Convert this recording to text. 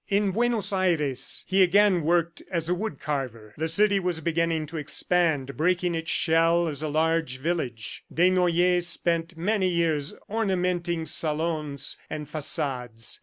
In Buenos Aires, he again worked as a woodcarver. The city was beginning to expand, breaking its shell as a large village. Desnoyers spent many years ornamenting salons and facades.